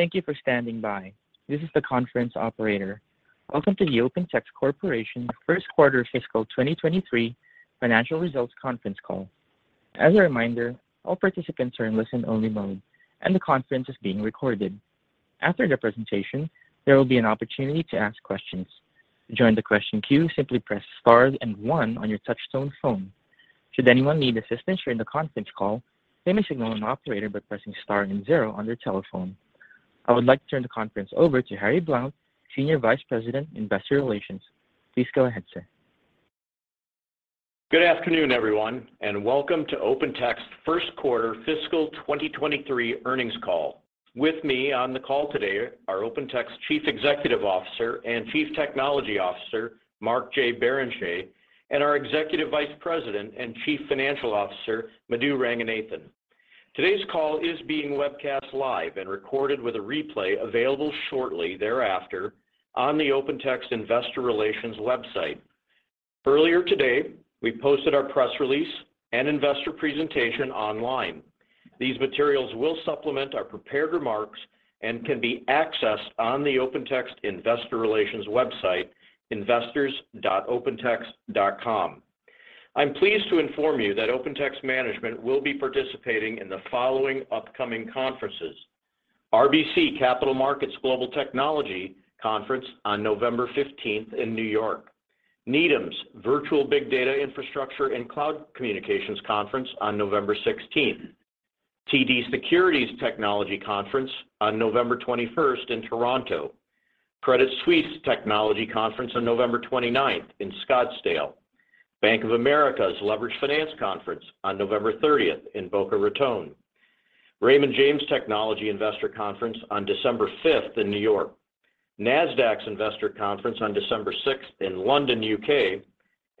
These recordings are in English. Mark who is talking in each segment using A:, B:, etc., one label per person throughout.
A: Thank you for standing by. This is the conference operator. Welcome to the OpenText Corporation First Quarter Fiscal 2023 Financial Results Conference Call. As a reminder, all participants are in listen only mode and the conference is being recorded. After the presentation, there will be an opportunity to ask questions. To join the question queue, simply press star and one on your touchtone phone. Should anyone need assistance during the conference call, they may signal an operator by pressing star and zero on their telephone. I would like to turn the conference over to Harry Blount, Senior Vice President, Investor Relations. Please go ahead, sir.
B: Good afternoon, everyone, and welcome to OpenText First Quarter Fiscal 2023 earnings call. With me on the call today are OpenText Chief Executive Officer and Chief Technology Officer, Mark J. Barrenechea, and our Executive Vice President and Chief Financial Officer, Madhu Ranganathan. Today's call is being webcast live and recorded with a replay available shortly thereafter on the OpenText Investor Relations website. Earlier today, we posted our press release and investor presentation online. These materials will supplement our prepared remarks and can be accessed on the OpenText Investor Relations website, investors.opentext.com. I'm pleased to inform you that OpenText management will be participating in the following upcoming conferences: RBC Capital Markets Global Technology Conference on November 15 in New York, Needham's Virtual Big Data Infrastructure and Cloud Communications Conference on November 16, TD Securities Technology Conference on November 21 in Toronto, Credit Suisse Technology Conference on November 29 in Scottsdale, Bank of America's Leveraged Finance Conference on November 30 in Boca Raton, Raymond James Technology Investor Conference on December fiveth in New York, Nasdaq's Investor Conference on December sixth in London, U.K.,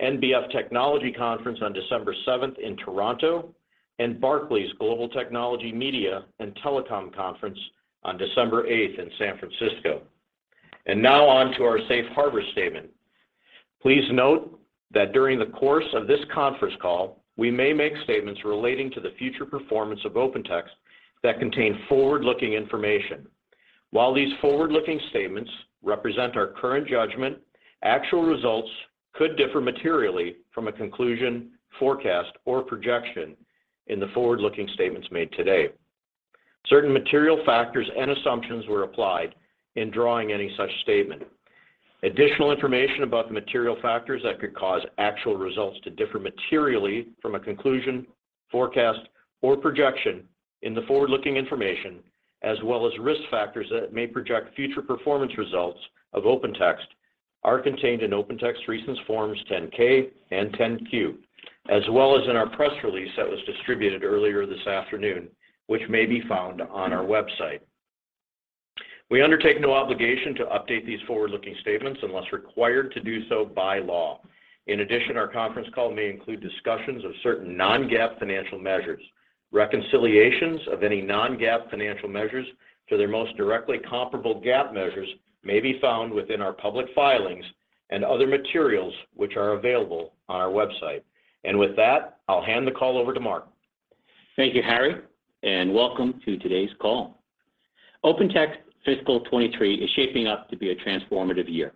B: NBF Technology Conference on December seventh in Toronto, and Barclays Global Technology, Media and Telecom Conference on December eighth in San Francisco. Now on to our safe harbor statement. Please note that during the course of this conference call, we may make statements relating to the future performance of OpenText that contain forward-looking information. While these forward-looking statements represent our current judgment, actual results could differ materially from a conclusion, forecast, or projection in the forward-looking statements made today. Certain material factors and assumptions were applied in drawing any such statement. Additional information about the material factors that could cause actual results to differ materially from a conclusion, forecast, or projection in the forward-looking information, as well as risk factors that may project future performance results of OpenText are contained in OpenText's recent Forms 10-K and 10-Q, as well as in our press release that was distributed earlier this afternoon, which may be found on our website. We undertake no obligation to update these forward-looking statements unless required to do so by law. In addition, our conference call may include discussions of certain Non-GAAP financial measures. Reconciliations of any Non-GAAP financial measures to their most directly comparable GAAP measures may be found within our public filings and other materials which are available on our website. With that, I'll hand the call over to Mark.
C: Thank you, Harry, and welcome to today's call. OpenText fiscal 2023 is shaping up to be a transformative year.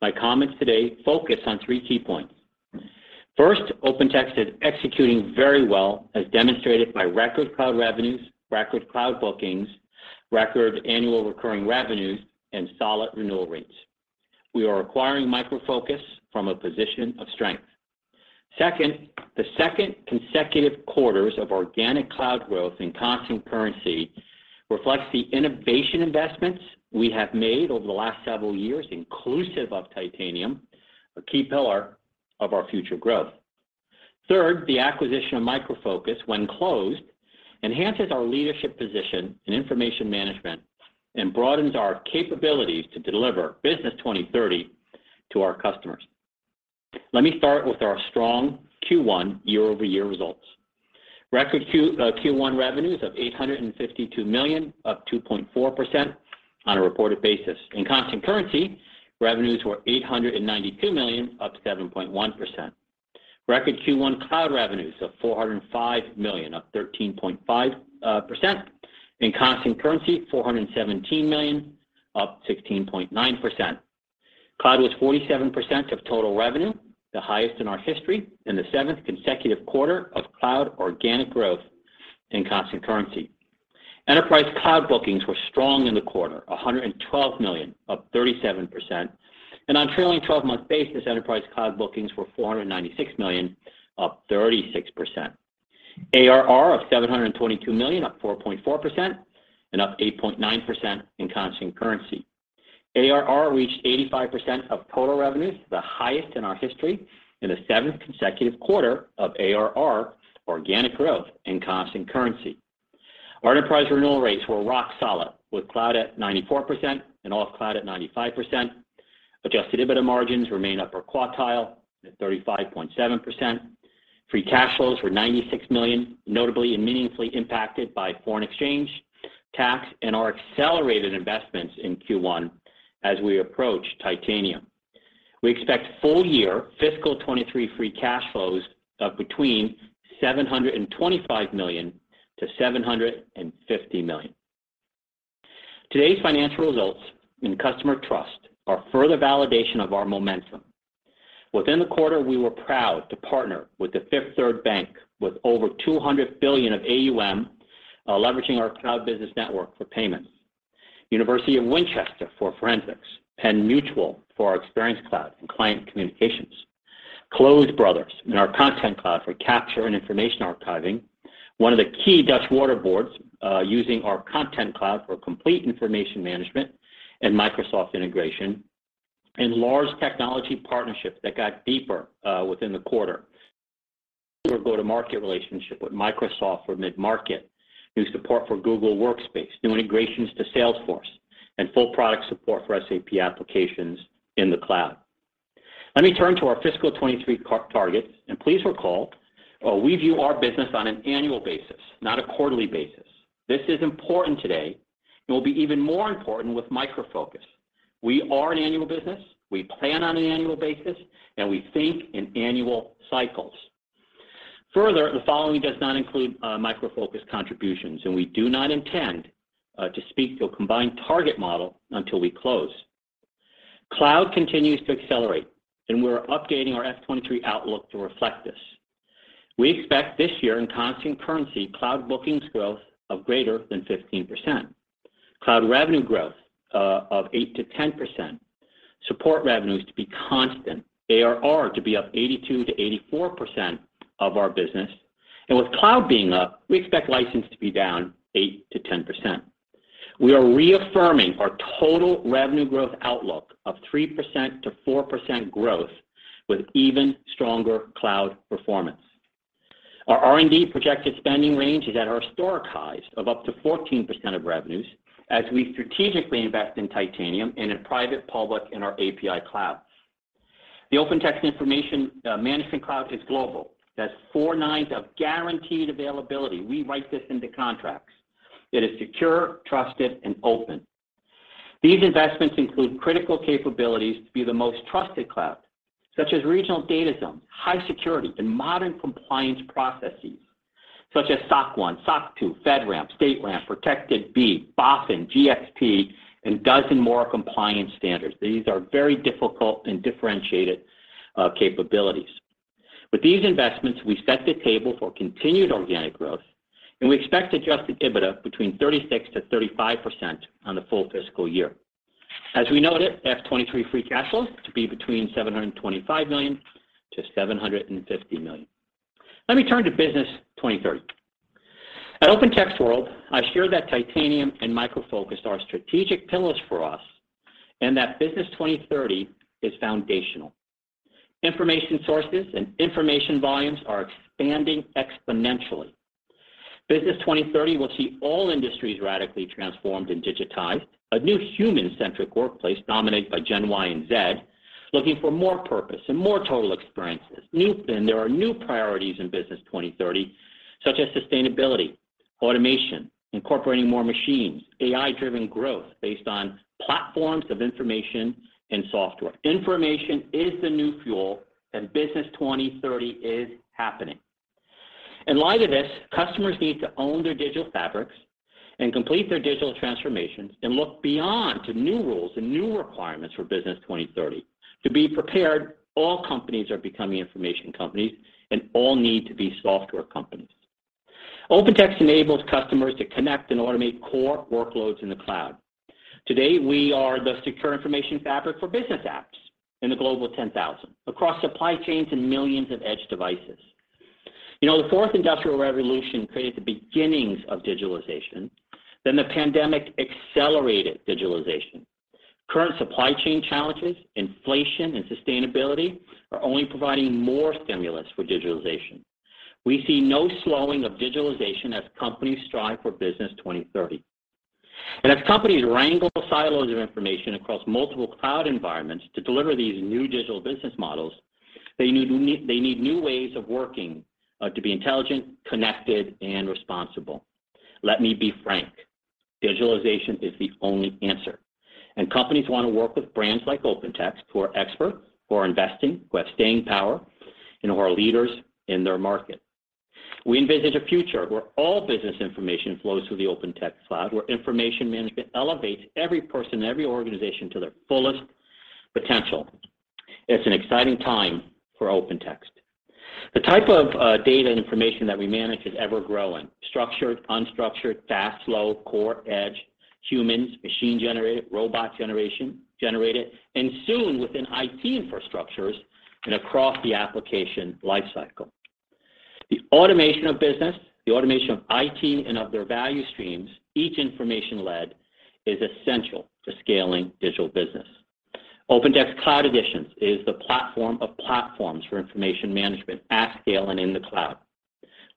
C: My comments today focus on three key points. First, OpenText is executing very well, as demonstrated by record cloud revenues, record cloud bookings, record annual recurring revenues, and solid renewal rates. We are acquiring Micro Focus from a position of strength. Second, the second consecutive quarters of organic cloud growth in constant currency reflects the innovation investments we have made over the last several years, inclusive of Titanium, a key pillar of our future growth. Third, the acquisition of Micro Focus, when closed, enhances our leadership position in information management and broadens our capabilities to deliver Business 2030 to our customers. Let me start with our strong Q1 year-over-year results. Record Q1 revenues of $852 million, up 2.4% on a reported basis. In constant currency, revenues were $892 million, up 7.1%. Record Q1 cloud revenues of $405 million, up 13.5%. In constant currency, $417 million, up 16.9%. Cloud was 47% of total revenue, the highest in our history, and the seventh consecutive quarter of cloud organic growth in constant currency. Enterprise cloud bookings were strong in the quarter, $112 million, up 37%. On trailing twelve-month basis, enterprise cloud bookings were $496 million, up 36%. ARR of $722 million, up 4.4%, and up 8.9% in constant currency. ARR reached 85% of total revenues, the highest in our history, and the seventh consecutive quarter of ARR organic growth in constant currency. Our enterprise renewal rates were rock solid, with cloud at 94% and off cloud at 95%. Adjusted EBITDA margins remain upper quartile at 35.7%. Free cash flows were $96 million, notably and meaningfully impacted by foreign exchange, tax, and our accelerated investments in Q1 as we approach Titanium. We expect full year fiscal 2023 free cash flows of between $725 million and $750 million. Today's financial results and customer trust are further validation of our momentum. Within the quarter, we were proud to partner with Fifth Third Bank with over $200 billion of AUM, leveraging our cloud business network for payments, University of Winchester for forensics, Penn Mutual for our experience cloud and client communications, Close Brothers in our content cloud for capture and information archiving. One of the key Dutch water boards, using our content cloud for complete information management and Microsoft integration. Large technology partnerships that got deeper within the quarter. Through our go-to-market relationship with Microsoft for mid-market, new support for Google Workspace, new integrations to Salesforce, and full product support for SAP applications in the cloud. Let me turn to our fiscal 2023 targets, and please recall, we view our business on an annual basis, not a quarterly basis. This is important today, and will be even more important with Micro Focus. We are an annual business, we plan on an annual basis, and we think in annual cycles. Further, the following does not include Micro Focus contributions, and we do not intend to speak to a combined target model until we close. Cloud continues to accelerate, and we're updating our FY 2023 outlook to reflect this. We expect this year in constant currency cloud bookings growth of greater than 15%. Cloud revenue growth of 8%-10%. Support revenues to be constant. ARR to be up 82%-84% of our business. With cloud being up, we expect license to be down 8%-10%. We are reaffirming our total revenue growth outlook of 3%-4% growth with even stronger cloud performance. Our R&D projected spending range is at historic highs of up to 14% of revenues as we strategically invest in Titanium and in private, public, and our API clouds. The OpenText Information Management Cloud is global. That's four nines of guaranteed availability. We write this into contracts. It is secure, trusted, and open. These investments include critical capabilities to be the most trusted cloud, such as regional data zones, high security, and modern compliance processes such as SOC 1, SOC 2, FedRAMP, StateRAMP, Protected B, BaFin, GXP, and a dozen more compliance standards. These are very difficult and differentiated capabilities. With these investments, we set the table for continued organic growth, and we expect adjusted EBITDA between 36%-35% on the full fiscal year. As we noted, F '23 free cash flow to be between $725 million-$750 million. Let me turn to Business 2030. At OpenText World, I shared that Titanium and Micro Focus are strategic pillars for us and that Business 2030 is foundational. Information sources and information volumes are expanding exponentially. Business 2030 will see all industries radically transformed and digitized. A new human-centric workplace dominated by Gen Y and Z, looking for more purpose and more total experiences. There are new priorities in Business 2030, such as sustainability, automation, incorporating more machines, AI-driven growth based on platforms of information and software. Information is the new fuel, and Business 2030 is happening. In light of this, customers need to own their digital fabrics and complete their digital transformations and look beyond to new rules and new requirements for Business 2030. To be prepared, all companies are becoming information companies and all need to be software companies. OpenText enables customers to connect and automate core workloads in the cloud. Today, we are the secure information fabric for business apps in the Global 10,000 across supply chains and millions of edge devices. You know, the fourth industrial revolution created the beginnings of digitalization, then the pandemic accelerated digitalization. Current supply chain challenges, inflation, and sustainability are only providing more stimulus for digitalization. We see no slowing of digitalization as companies strive for Business 2030. As companies wrangle silos of information across multiple cloud environments to deliver these new digital business models, they need new ways of working to be intelligent, connected, and responsible. Let me be frank, digitalization is the only answer. Companies want to work with brands like OpenText, who are experts, who are investing, who have staying power, and who are leaders in their market. We envisage a future where all business information flows through the OpenText cloud, where information management elevates every person and every organization to their fullest potential. It's an exciting time for OpenText. The type of data and information that we manage is ever-growing. Structured, unstructured, fast, slow, core, edge, humans, machine-generated, robot-generated, and soon within IT infrastructures and across the application life cycle. The automation of business, the automation of IT and of their value streams, each information-led, is essential for scaling digital business. OpenText Cloud Editions is the platform of platforms for information management at scale and in the cloud.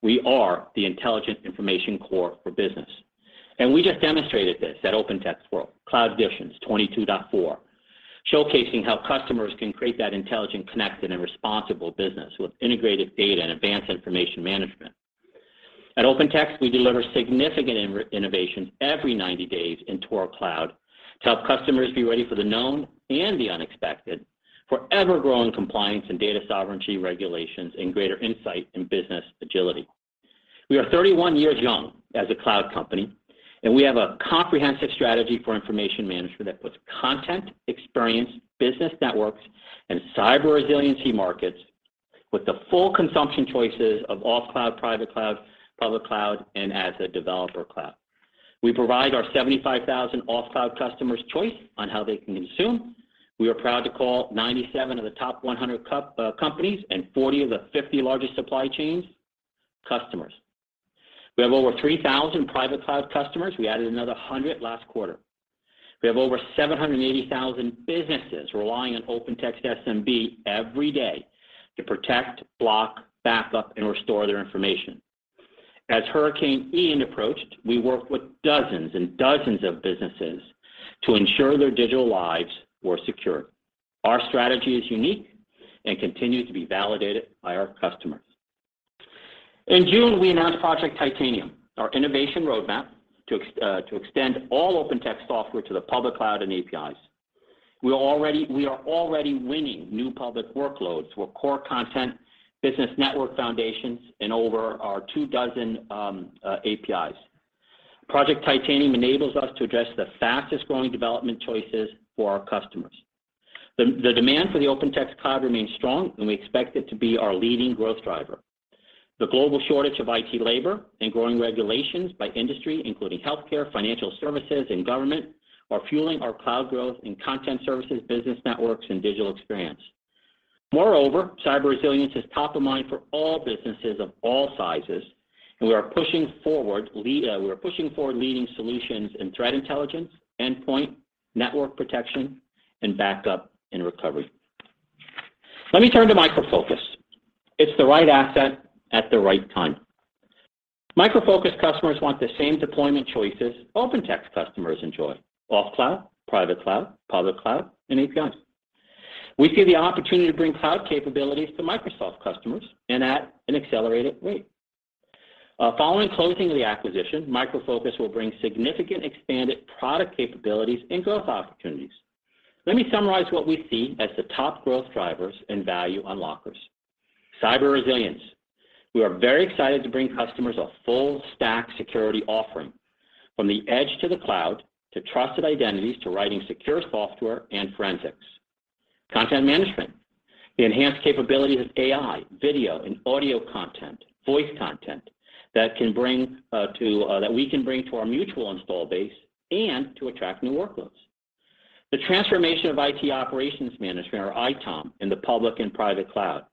C: We are the intelligent information core for business. We just demonstrated this at OpenText World, Cloud Editions 22.4, showcasing how customers can create that intelligent, connected, and responsible business with integrated data and advanced information management. At OpenText, we deliver significant innovation every 90 days into our cloud to help customers be ready for the known and the unexpected, for ever-growing compliance and data sovereignty regulations and greater insight and business agility. We are 31 years young as a cloud company, and we have a comprehensive strategy for information management that puts content, experience, business networks, and cyber resiliency markets with the full consumption choices of off-cloud, private cloud, public cloud, and as a developer cloud. We provide our 75,000 off-cloud customers choice on how they can consume. We are proud to call 97 of the top 100 Fortune companies and 40 of the 50 largest supply chains customers. We have over 3,000 private cloud customers. We added another 100 last quarter. We have over 780,000 businesses relying on OpenText SMB every day to protect, block, backup, and restore their information. As Hurricane Ian approached, we worked with dozens and dozens of businesses to ensure their digital lives were secure. Our strategy is unique and continues to be validated by our customers. In June, we announced Project Titanium, our innovation roadmap to extend all OpenText software to the public cloud and APIs. We are already winning new public workloads with Core Content business network foundations in over 24 APIs. Project Titanium enables us to address the fastest-growing development choices for our customers. The demand for the OpenText cloud remains strong, and we expect it to be our leading growth driver. The global shortage of IT labor and growing regulations by industry, including healthcare, financial services, and government, are fueling our cloud growth in content services, business networks, and digital experience. Moreover, cyber resilience is top of mind for all businesses of all sizes, and we are pushing forward leading solutions in threat intelligence, endpoint network protection, and backup and recovery. Let me turn to Micro Focus. It's the right asset at the right time. Micro Focus customers want the same deployment choices OpenText customers enjoy, on cloud, private cloud, public cloud, and APIs. We see the opportunity to bring cloud capabilities to Microsoft customers and at an accelerated rate. Following closing of the acquisition, Micro Focus will bring significant expanded product capabilities and growth opportunities. Let me summarize what we see as the top growth drivers and value unlockers. Cyber resilience. We are very excited to bring customers a full stack security offering from the edge to the cloud to trusted identities to writing secure software and forensics. Content management, the enhanced capabilities of AI, video and audio content, voice content that we can bring to our mutual installed base and to attract new workloads. The transformation of IT operations management or ITOM in the public and private cloud.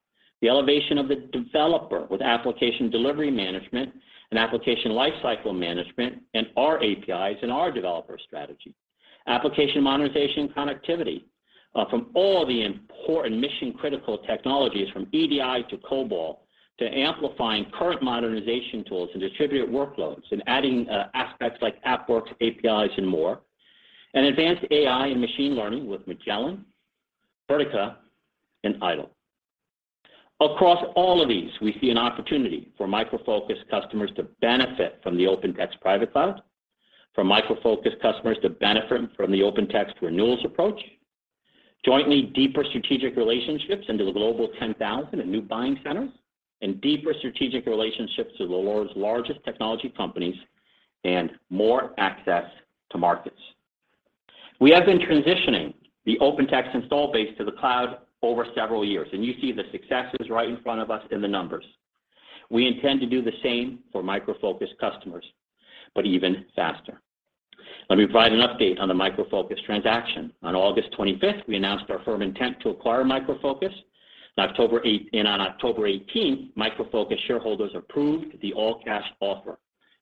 C: The elevation of the developer with application delivery management and application lifecycle management and our APIs and our developer strategy. Application modernization and connectivity from all the important mission-critical technologies from EDI to COBOL to amplifying current modernization tools and distributed workloads and adding aspects like AppWorks, APIs, and more. Advanced AI and machine learning with Magellan, Vertica, and IDOL. Across all of these, we see an opportunity for Micro Focus customers to benefit from the OpenText private cloud, for Micro Focus customers to benefit from the OpenText renewals approach, jointly deeper strategic relationships into the Global 10,000 and new buying centers, and deeper strategic relationships with the world's largest technology companies and more access to markets. We have been transitioning the OpenText install base to the cloud over several years, and you see the successes right in front of us in the numbers. We intend to do the same for Micro Focus customers, but even faster. Let me provide an update on the Micro Focus transaction. On August 25, we announced our firm intent to acquire Micro Focus. On October 18, Micro Focus shareholders approved the all-cash offer.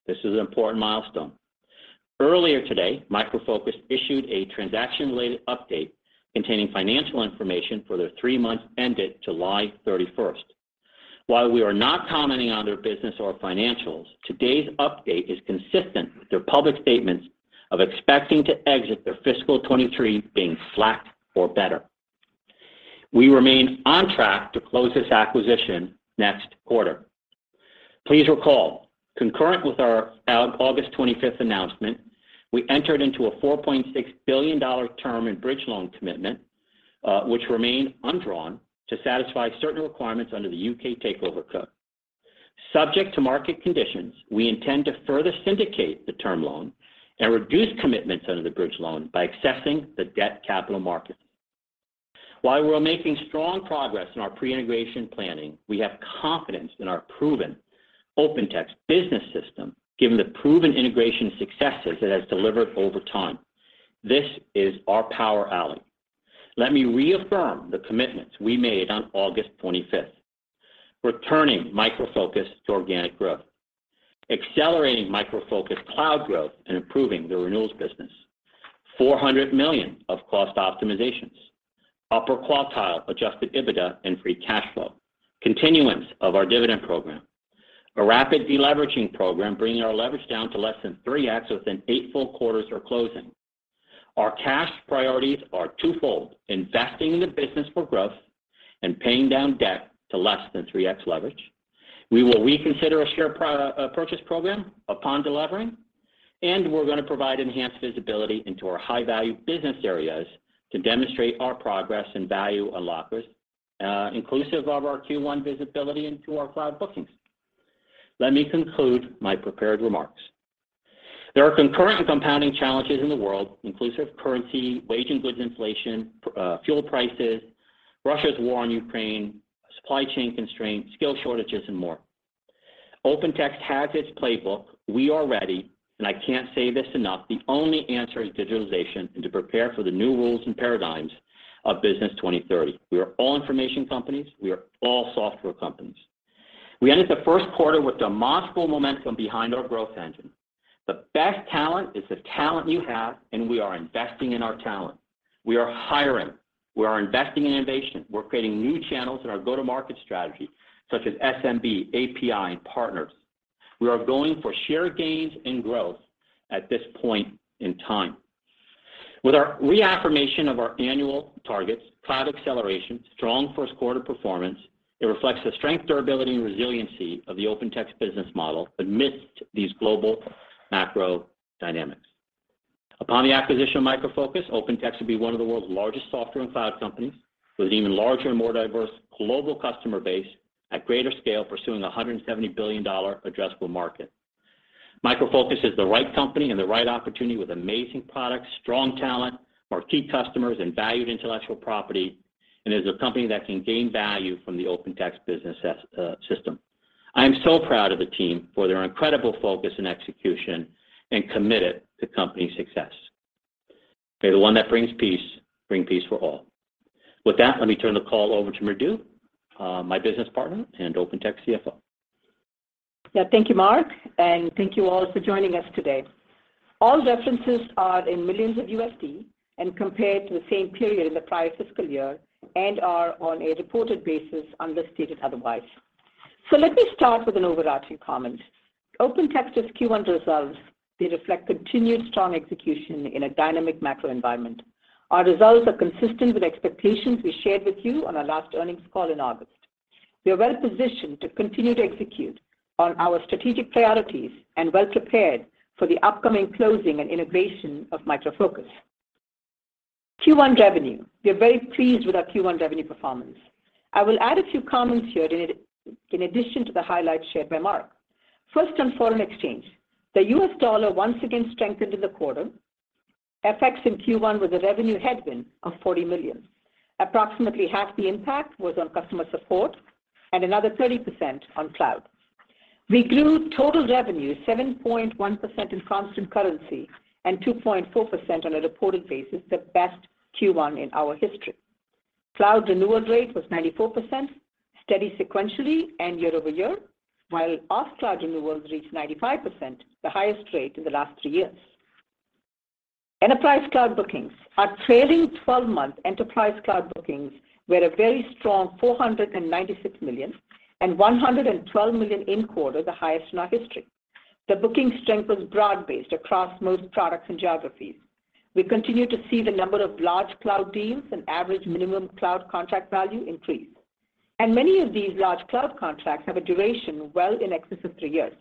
C: This is an important milestone. Earlier today, Micro Focus issued a transaction-related update containing financial information for their three months ended July 31. While we are not commenting on their business or financials, today's update is consistent with their public statements of expecting to exit their fiscal 2023 being flat or better. We remain on track to close this acquisition next quarter. Please recall, concurrent with our August 25 announcement, we entered into a $4.6 billion term and bridge loan commitment, which remained undrawn to satisfy certain requirements under the UK Takeover Code. Subject to market conditions, we intend to further syndicate the term loan and reduce commitments under the bridge loan by accessing the debt capital markets. While we're making strong progress in our pre-integration planning, we have confidence in our proven OpenText business system, given the proven integration successes it has delivered over time. This is our power alley. Let me reaffirm the commitments we made on August 25. Returning Micro Focus to organic growth. Accelerating Micro Focus cloud growth and improving the renewals business. $400 million of cost optimizations. Upper quartile adjusted EBITDA and free cash flow. Continuance of our dividend program. A rapid deleveraging program, bringing our leverage down to less than 3x within 8 full quarters or closing. Our cash priorities are twofold. Investing in the business for growth and paying down debt to less than 3x leverage. We will reconsider a share purchase program upon delivering, and we're gonna provide enhanced visibility into our high-value business areas to demonstrate our progress and value unlockers, inclusive of our Q1 visibility into our cloud bookings. Let me conclude my prepared remarks. There are concurrent and compounding challenges in the world, inclusive currency, wage and goods inflation, fuel prices, Russia's war on Ukraine, supply chain constraints, skill shortages, and more. OpenText has its playbook. We are ready, and I can't say this enough, the only answer is digitalization and to prepare for the new rules and paradigms of Business 2030. We are all information companies. We are all software companies. We ended the first quarter with demonstrable momentum behind our growth engine. The best talent is the talent you have, and we are investing in our talent. We are hiring. We are investing in innovation. We're creating new channels in our go-to-market strategy, such as SMB, API, and partners. We are going for share gains and growth at this point in time. With our reaffirmation of our annual targets, cloud acceleration, strong first quarter performance, it reflects the strength, durability, and resiliency of the OpenText business model amidst these global macro dynamics. Upon the acquisition of Micro Focus, OpenText will be one of the world's largest software and cloud companies with an even larger and more diverse global customer base at greater scale, pursuing a $170 billion addressable market. Micro Focus is the right company and the right opportunity with amazing products, strong talent, our key customers, and valued intellectual property, and is a company that can gain value from the OpenText business system. I am so proud of the team for their incredible focus and execution and committed to company success. May the one that brings peace bring peace for all. With that, let me turn the call over to Madhu Ranganathan, my business partner and OpenText CFO.
D: Yeah. Thank you, Mark, and thank you all for joining us today. All references are in millions of USD and compared to the same period in the prior fiscal year and are on a reported basis unless stated otherwise. Let me start with an overarching comment. OpenText's Q1 results, they reflect continued strong execution in a dynamic macro environment. Our results are consistent with expectations we shared with you on our last earnings call in August. We are well-positioned to continue to execute on our strategic priorities and well-prepared for the upcoming closing and integration of Micro Focus. Q1 revenue. We are very pleased with our Q1 revenue performance. I will add a few comments here in addition to the highlights shared by Mark. First, on foreign exchange. The U.S. dollar once again strengthened in the quarter. FX in Q1 was a revenue headwind of $40 million. Approximately half the impact was on customer support and another 30% on cloud. We grew total revenue 7.1% in constant currency and 2.4% on a reported basis, the best Q1 in our history. Cloud renewal rate was 94%, steady sequentially and year-over-year, while off-cloud renewals reached 95%, the highest rate in the last three years. Enterprise cloud bookings. Our trailing 12-month enterprise cloud bookings were a very strong $496 million and $112 million in quarter, the highest in our history. The booking strength was broad-based across most products and geographies. We continue to see the number of large cloud deals and average minimum cloud contract value increase. Many of these large cloud contracts have a duration well in excess of three years.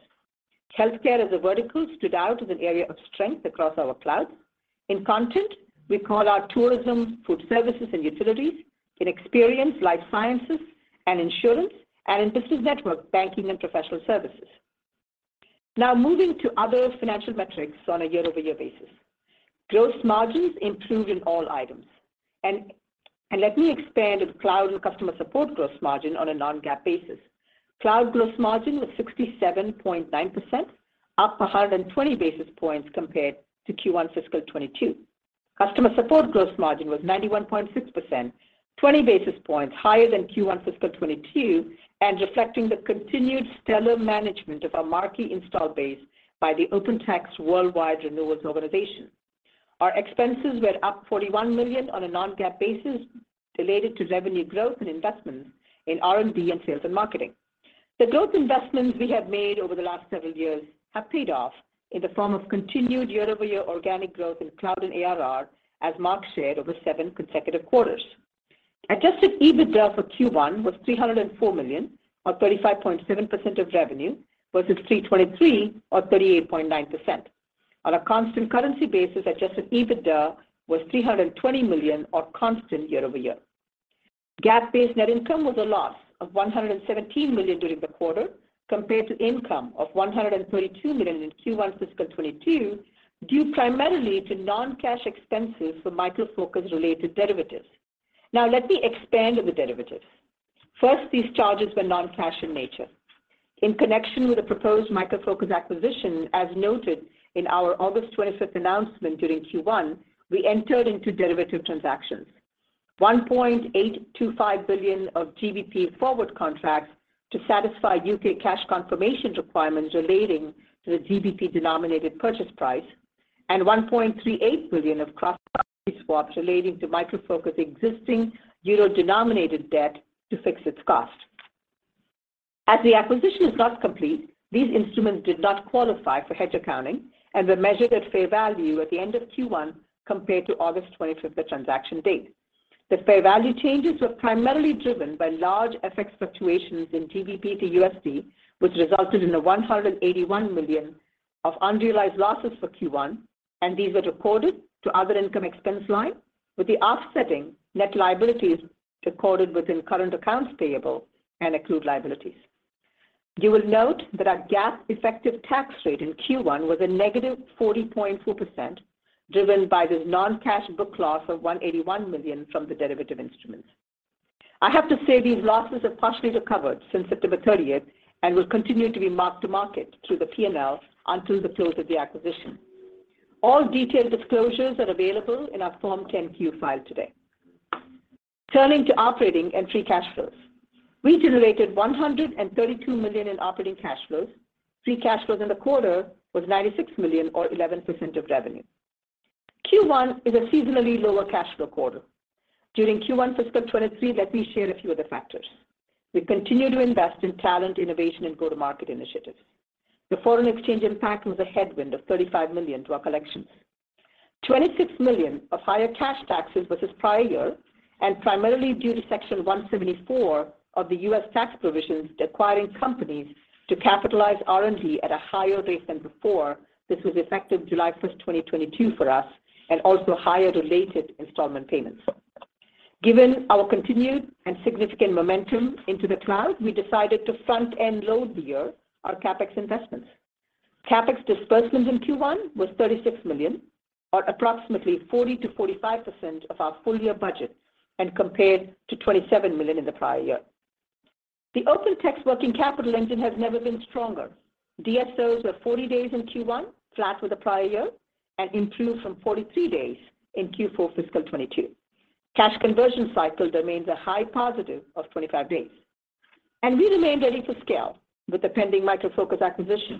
D: Healthcare as a vertical stood out as an area of strength across our cloud. In content, we call out tourism, food services, and utilities. In experience, life sciences and insurance. In business network, banking and professional services. Now moving to other financial metrics on a year-over-year basis. Gross margins improved in all items. Let me expand with cloud and customer support gross margin on a Non-GAAP basis. Cloud gross margin was 67.9%, up 120 basis points compared to Q1 fiscal 2022. Customer support gross margin was 91.6%, 20 basis points higher than Q1 fiscal 2022 and reflecting the continued stellar management of our marquee install base by the OpenText worldwide renewals organization. Our expenses were up $41 million on a Non-GAAP basis related to revenue growth and investments in R&D and sales and marketing. The growth investments we have made over the last several years have paid off in the form of continued year-over-year organic growth in cloud and ARR, as Mark shared, over seven consecutive quarters. Adjusted EBITDA for Q1 was $304 million, or 35.7% of revenue, versus $323 or 38.9%. On a constant currency basis, adjusted EBITDA was $320 million or constant year over year. GAAP-based net income was a loss of $117 million during the quarter compared to income of $132 million in Q1 fiscal 2022, due primarily to non-cash expenses for Micro Focus-related derivatives. Now let me expand on the derivatives. First, these charges were non-cash in nature. In connection with the proposed Micro Focus acquisition, as noted in our August 25th announcement during Q1, we entered into derivative transactions. 1.825 billion GBP of forward contracts to satisfy UK cash confirmation requirements relating to the GBP-denominated purchase price and 1.38 billion of cross-currency swaps relating to Micro Focus' existing euro-denominated debt to fix its cost. As the acquisition is not complete, these instruments did not qualify for hedge accounting and were measured at fair value at the end of Q1 compared to August 25, the transaction date. The fair value changes were primarily driven by large FX fluctuations in GBP to USD, which resulted in a $181 million of unrealized losses for Q1, and these were recorded to other income/expense line, with the offsetting net liabilities recorded within current accounts payable and accrued liabilities. You will note that our GAAP effective tax rate in Q1 was -40.2%, driven by this non-cash book loss of $181 million from the derivative instruments. I have to say these losses have partially recovered since September 30 and will continue to be mark to market through the P&L until the close of the acquisition. All detailed disclosures are available in our Form 10-Q filed today. Turning to operating and free cash flows. We generated $132 million in operating cash flows. Free cash flows in the quarter was $96 million or 11% of revenue. Q1 is a seasonally lower cash flow quarter. During Q1 fiscal 2023, let me share a few of the factors. We continue to invest in talent, innovation, and go-to-market initiatives. The foreign exchange impact was a headwind of $35 million to our collections. $26 million of higher cash taxes versus prior year and primarily due to Section 174 of the U.S. tax provisions requiring companies to capitalize R&D at a higher rate than before. This was effective July one, 2022 for us and also higher related installment payments. Given our continued and significant momentum into the cloud, we decided to front-end load the year our CapEx investments. CapEx disbursements in Q1 was $36 million, or approximately 40%-45% of our full year budget and compared to $27 million in the prior year. The OpenText working capital engine has never been stronger. DSOs were 40 days in Q1, flat with the prior year and improved from 43 days in Q4 fiscal 2022. Cash conversion cycle remains a high positive of 25 days. We remain ready to scale with the pending Micro Focus acquisition.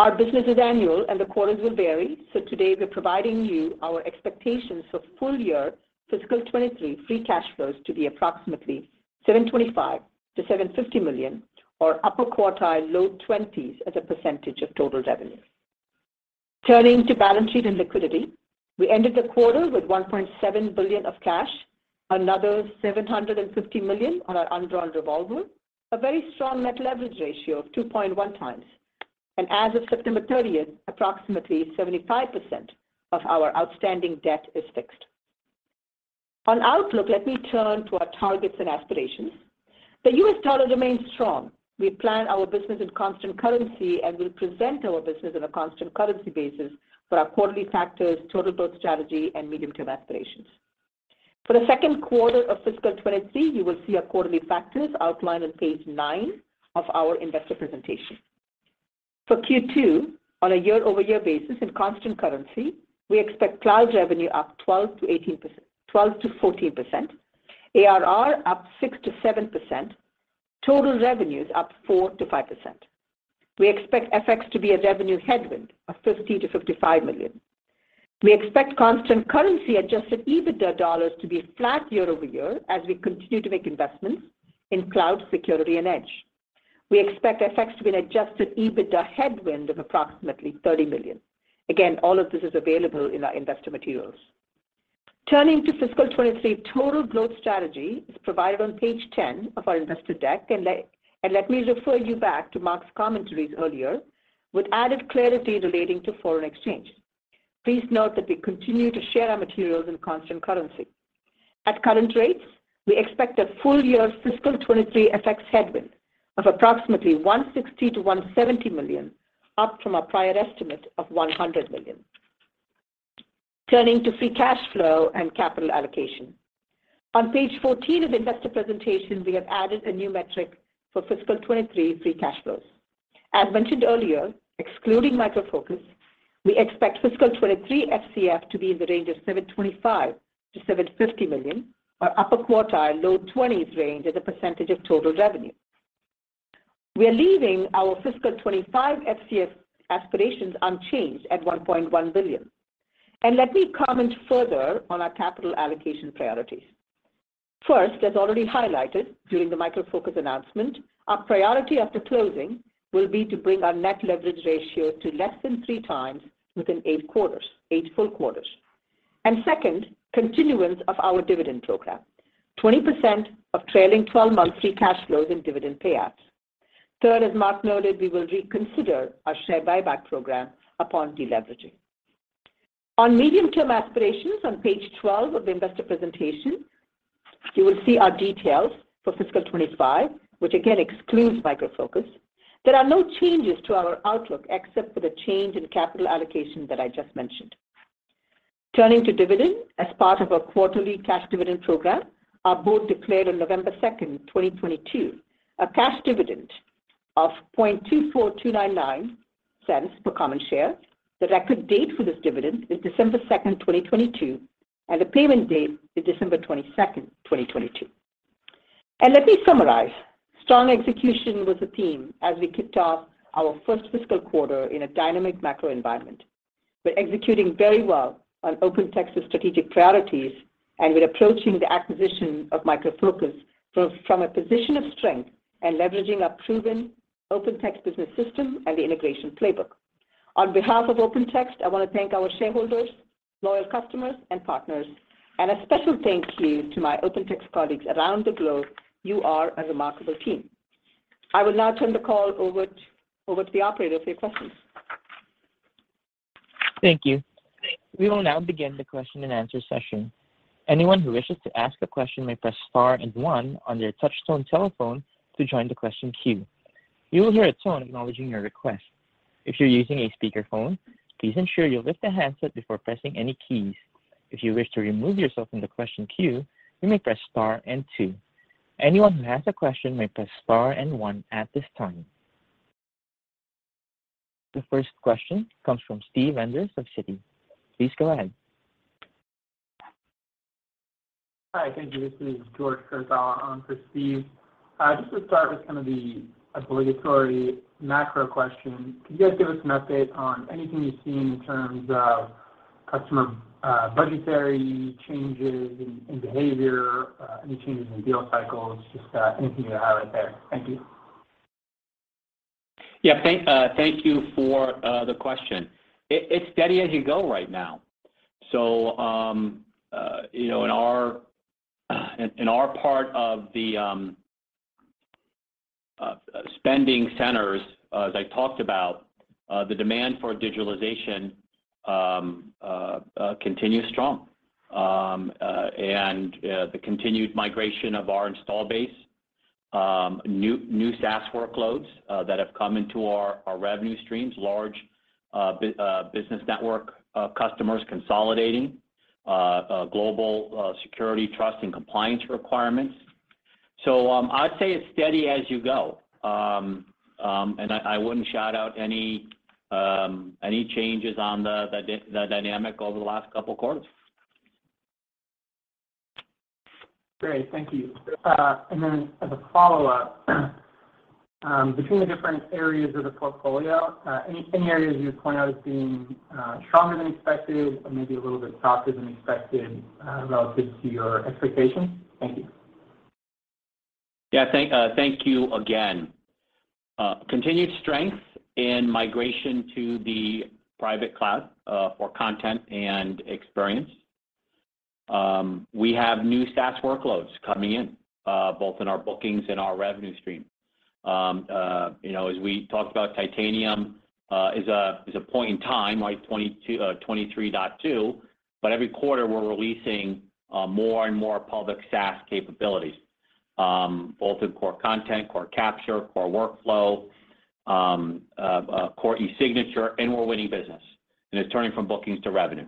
D: Our business is annual and the quarters will vary, so today we're providing you our expectations for full year fiscal 2023 free cash flows to be approximately $725 million-$750 million or upper quartile low 20s% as a percentage of total revenue. Turning to balance sheet and liquidity. We ended the quarter with $1.7 billion of cash, another $750 million on our undrawn revolver, a very strong net leverage ratio of 2.1x. As of September 30th, approximately 75% of our outstanding debt is fixed. On outlook, let me turn to our targets and aspirations. The US dollar remains strong. We plan our business in constant currency, and we present our business on a constant currency basis for our quarterly factors, total growth strategy, and medium-term aspirations. For the second quarter of fiscal 2023, you will see our quarterly factors outlined on page nine of our investor presentation. For Q2, on a year-over-year basis in constant currency, we expect cloud revenue up 12%-18%, 12%-14%, ARR up 6%-7%, total revenues up 4%-5%. We expect FX to be a revenue headwind of $50 million-$55 million. We expect constant currency adjusted EBITDA dollars to be flat year-over-year as we continue to make investments in cloud, security, and edge. We expect FX to be an adjusted EBITDA headwind of approximately $30 million. Again, all of this is available in our investor materials. Turning to fiscal 2023 total growth strategy is provided on page 10 of our investor deck. Let me refer you back to Mark's commentaries earlier with added clarity relating to foreign exchange. Please note that we continue to share our materials in constant currency. At current rates, we expect a full year fiscal 2023 FX headwind of approximately $160 million-$170 million, up from our prior estimate of $100 million. Turning to free cash flow and capital allocation. On page 14 of investor presentation, we have added a new metric for fiscal 2023 free cash flows. As mentioned earlier, excluding Micro Focus, we expect fiscal 2023 FCF to be in the range of $725 million-$750 million or upper quartile low twenties range as a percentage of total revenue. We are leaving our fiscal 2025 FCF aspirations unchanged at $1.1 billion. Let me comment further on our capital allocation priorities. First, as already highlighted during the Micro Focus announcement, our priority after closing will be to bring our net leverage ratio to less than 3x within nine quarters, nine full quarters. Second, continuance of our dividend program. 20% of trailing twelve months free cash flows in dividend payouts. Third, as Mark noted, we will reconsider our share buyback program upon deleveraging. On medium-term aspirations on page 12 of the investor presentation, you will see our details for fiscal 2025, which again excludes Micro Focus. There are no changes to our outlook except for the change in capital allocation that I just mentioned. Turning to dividend. As part of our quarterly cash dividend program, our board declared on November 2, 2022, a cash dividend of $0.24299 per common share. The record date for this dividend is December second, 2022, and the payment date is December 22, 2022. Let me summarize. Strong execution was the theme as we kicked off our first fiscal quarter in a dynamic macro environment. We're executing very well on OpenText's strategic priorities, and we're approaching the acquisition of Micro Focus from a position of strength and leveraging our proven OpenText business system and the integration playbook. On behalf of OpenText, I want to thank our shareholders, loyal customers, and partners. A special thank you to my OpenText colleagues around the globe. You are a remarkable team. I will now turn the call over to the operator for your questions.
A: Thank you. We will now begin the question-and-answer session. Anyone who wishes to ask a question may press star and one on their touchtone telephone to join the question queue. You will hear a tone acknowledging your request. If you're using a speakerphone, please ensure you lift the handset before pressing any keys. If you wish to remove yourself from the question queue, you may press star and two. Anyone who has a question may press star and one at this time. The first question comes from Steven Enders of Citi. Please go ahead.
E: Hi. Thank you. This is George Kurosawa on for Steven. Just to start with kind of the obligatory macro question. Could you guys give us an update on anything you've seen in terms of customer budgetary changes in behavior, any changes in deal cycles? Just anything you have out there. Thank you.
C: Yeah. Thank you for the question. It's steady as you go right now. You know, in our part of the spending centers, as I talked about, the demand for digitalization continues strong. The continued migration of our install base, new SaaS workloads that have come into our revenue streams, large business network customers consolidating global security, trust, and compliance requirements. I'd say it's steady as you go. I wouldn't shout out any changes on the dynamic over the last couple quarters.
E: Great. Thank you. As a follow-up, between the different areas of the portfolio, any areas you'd point out as being stronger than expected or maybe a little bit softer than expected, relative to your expectations? Thank you.
C: Thank you again. Continued strength in migration to the private cloud for content and experience. We have new SaaS workloads coming in, both in our bookings and our revenue stream. You know, as we talked about Titanium, is a point in time, right, 23.2. But every quarter, we're releasing more and more public SaaS capabilities, both in Core Content, Core Capture, Core Workflow, Core Signature, and we're winning business. It's turning from bookings to revenue,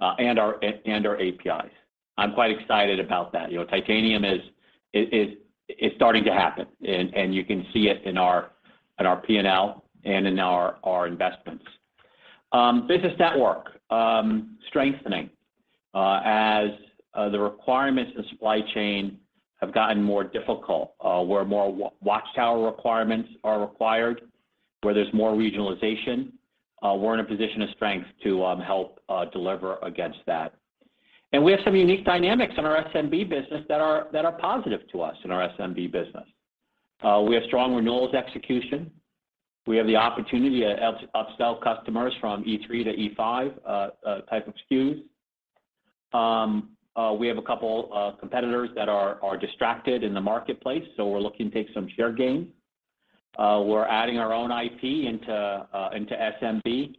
C: and our APIs. I'm quite excited about that. You know, Titanium is, it's starting to happen, and you can see it in our P&L and in our investments. Business network strengthening as the requirements of the supply chain have gotten more difficult, where more control tower requirements are required, where there's more regionalization. We're in a position of strength to help deliver against that. We have some unique dynamics in our SMB business that are positive to us in our SMB business. We have strong renewals execution. We have the opportunity to upsell customers from E3 to E5 type of SKUs. We have a couple competitors that are distracted in the marketplace, so we're looking to take some share gain. We're adding our own IP into SMB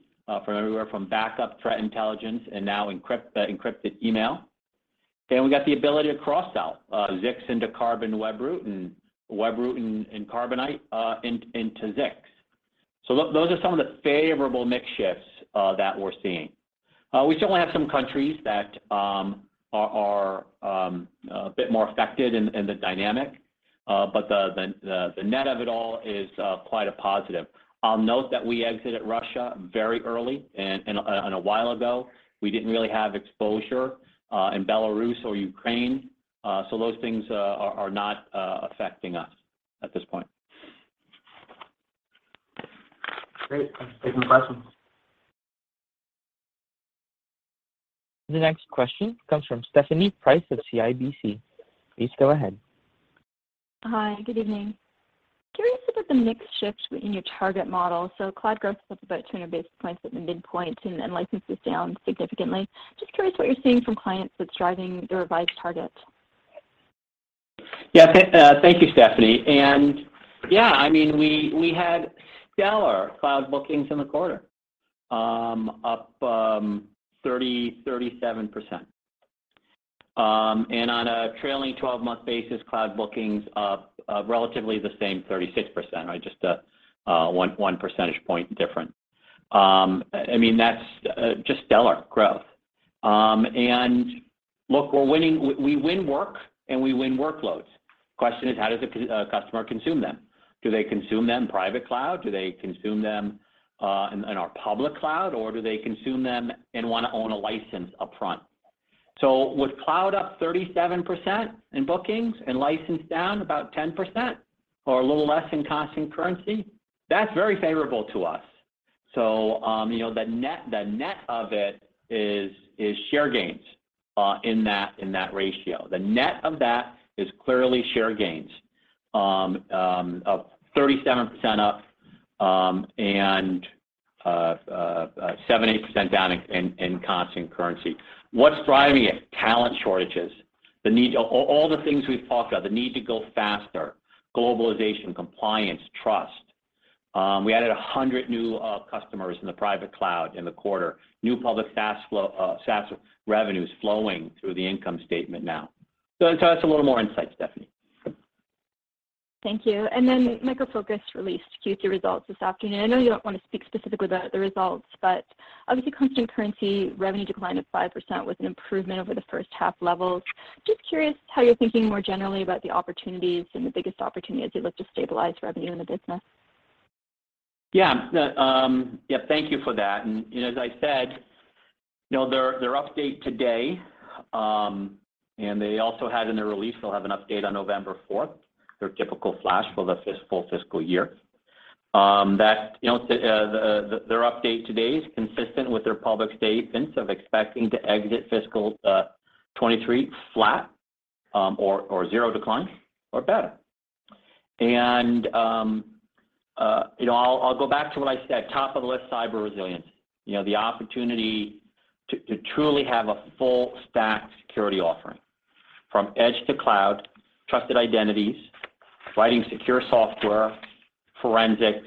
C: from backup threat intelligence and now encrypted email. We got the ability to cross-sell Zix into Carbonite, Webroot and Webroot and Carbonite into Zix. Those are some of the favorable mix shifts that we're seeing. We certainly have some countries that are a bit more affected in the dynamic. The net of it all is quite a positive. I'll note that we exited Russia very early and a while ago. We didn't really have exposure in Belarus or Ukraine. Those things are not affecting us at this point.
E: Great. That's it for my questions.
A: The next question comes from Stephanie Price of CIBC. Please go ahead.
F: Hi. Good evening. Curious about the mix shift in your target model. Cloud growth was up about 200 basis points at the midpoint and licenses down significantly. Just curious what you're seeing from clients that's driving the revised targets.
C: Yeah. Thank you, Stephanie. Yeah, I mean, we had stellar cloud bookings in the quarter, up 37%. On a trailing twelve-month basis, cloud bookings up relatively the same, 36%. Right? Just a 1 percentage point difference. I mean, that's just stellar growth. Look, we're winning. We win work, and we win workloads. Question is, how does a customer consume them? Do they consume them private cloud? Do they consume them in our public cloud, or do they consume them and wanna own a license up front? With cloud up 37% in bookings and license down about 10% or a little less in constant currency, that's very favorable to us. You know, the net of it is share gains in that ratio. The net of that is clearly share gains of 37% up and 78% down in constant currency. What's driving it? Talent shortages, the need, all the things we've talked about, the need to go faster, globalization, compliance, trust. We added 100 new customers in the private cloud in the quarter. New public SaaS flow, SaaS revenues flowing through the income statement now. That's a little more insight, Stephanie.
F: Thank you. Micro Focus released Q3 results this afternoon. I know you don't want to speak specifically about the results, but obviously constant currency revenue decline of 5% was an improvement over the first half levels. Just curious how you're thinking more generally about the opportunities and the biggest opportunities as you look to stabilize revenue in the business.
C: Yeah. No, yeah, thank you for that. You know, as I said, you know, their update today, and they also had in their release, they'll have an update on November fourth, their typical flash for the full fiscal year, that, you know, the their update today is consistent with their public statements of expecting to exit fiscal 2023 flat, or zero decline or better. You know, I'll go back to what I said, top of the list, cyber resilience. You know, the opportunity to truly have a full stack security offering from edge to cloud, trusted identities, writing secure software, forensic,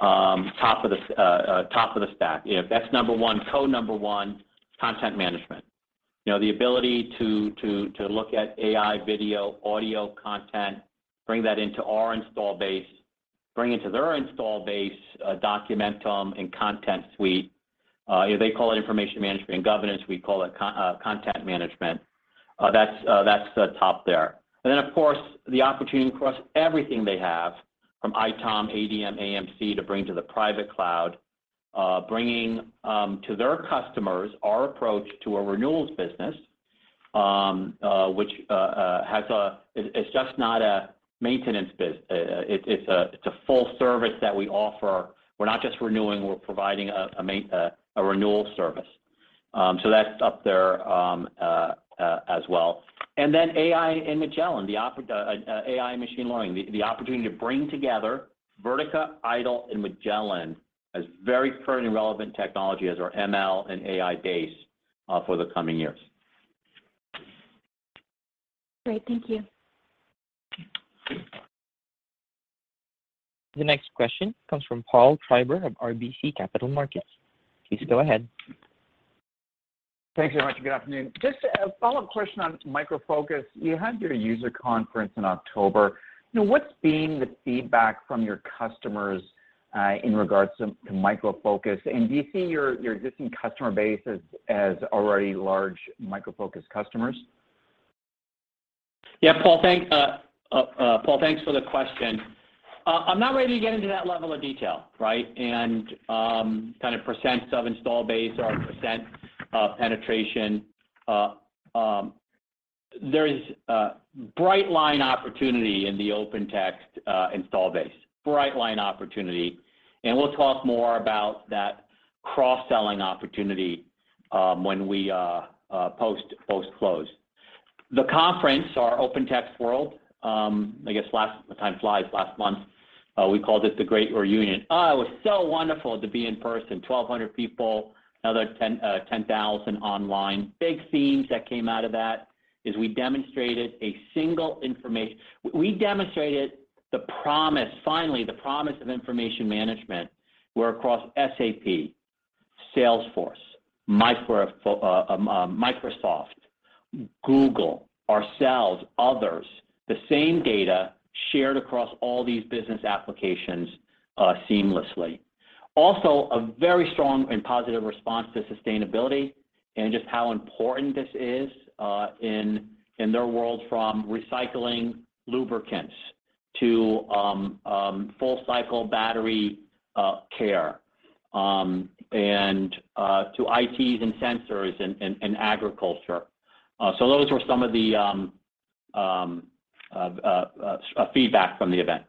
C: top of the stack. You know, that's number one. Core number one, content management. You know, the ability to look at AI video, audio content, bring that into our install base, bring it to their install base, Documentum and Content Suite. You know, they call it information management and governance. We call it content management. That's top tier. Of course, the opportunity across everything they have from ITOM, ADM, AMC to bring to the private cloud, bringing to their customers our approach to a renewals business, which it's just not a maintenance business, it's a full service that we offer. We're not just renewing, we're providing a renewal service. That's up there as well. AI and machine learning, the opportunity to bring together Vertica, IDOL, and Magellan as very pertinent and relevant technology as our ML and AI base, for the coming years.
F: Great. Thank you.
A: The next question comes from Paul Treiber of RBC Capital Markets. Please go ahead.
G: Thanks very much. Good afternoon. Just a follow-up question on Micro Focus. You had your user conference in October. You know, what's been the feedback from your customers in regards to Micro Focus? Do you see your existing customer base as already large Micro Focus customers?
C: Yeah, Paul, thanks for the question. I'm not ready to get into that level of detail, right? Kind of percents of install base or percent penetration. There is a bright line opportunity in the OpenText install base. We'll talk more about that cross-selling opportunity when we post-close. The conference, our OpenText World, I guess last month. Time flies. We called it the Great Reunion. It was so wonderful to be in person. 1,200 people, another 10,000 online. Big themes that came out of that is we demonstrated a single information. We demonstrated the promise, finally, the promise of information management where across SAP, Salesforce, Microsoft, Google, ourselves, others, the same data shared across all these business applications seamlessly. Also, a very strong and positive response to sustainability and just how important this is, in their world from recycling lubricants to full cycle battery care, and to IoTs and sensors and agriculture. Those were some of the feedback from the event.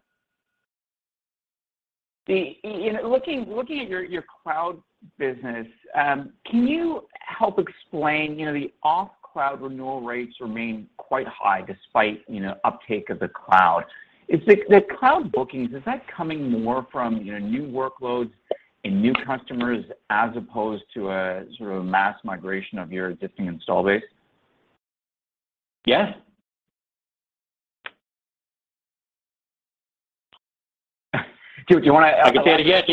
G: You know, looking at your cloud business, can you help explain, you know, the on-cloud renewal rates remain quite high despite, you know, uptake of the cloud. Is the cloud bookings, is that coming more from, you know, new workloads and new customers as opposed to a sort of mass migration of your existing installed base?
C: Yes.
G: Do you want to elaborate?
C: I can say it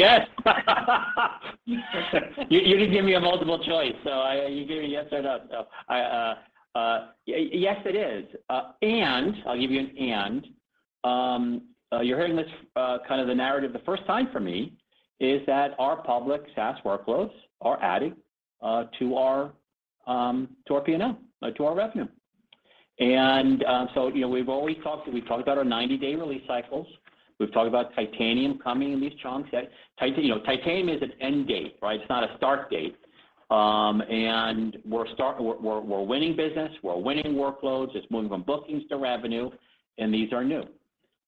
C: again. Yes. You didn't give me a multiple choice, so you gave me yes or no. Yes it is. I'll give you an and. You're hearing this kind of the narrative the first time for me is that our public SaaS workloads are adding to our P&L, to our revenue. You know, we've talked about our 90-day release cycles. We've talked about Titanium coming in these chunks. You know, Titanium is an end date, right? It's not a start date. We're winning business. We're winning workloads. It's moving from bookings to revenue, and these are new.